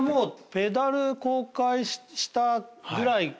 『ペダル』公開したぐらい。